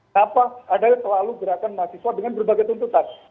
kenapa ada selalu gerakan mahasiswa dengan berbagai tuntutan